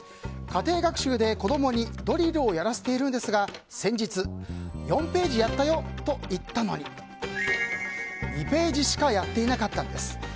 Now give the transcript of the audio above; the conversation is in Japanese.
家庭学習で子供にドリルをやらせているんですが先日４ページやったよと言ったのに２ページしかやっていなかったんです。